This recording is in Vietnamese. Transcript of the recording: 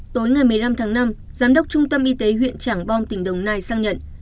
tối ngày một mươi năm tháng năm giám đốc trung tâm y tế huyện trảng bom tỉnh đồng nai sang nhận